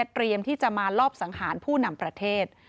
เตรียมที่จะมาลอบสังหารผู้นำประเทศ